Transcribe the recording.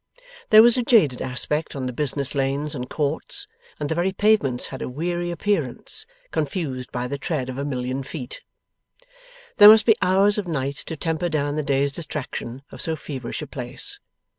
There was a jaded aspect on the business lanes and courts, and the very pavements had a weary appearance, confused by the tread of a million of feet. There must be hours of night to temper down the day's distraction of so feverish a place.